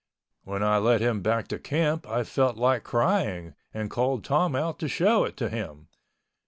When I led him back to camp I felt like crying and called Tom out to show it to him.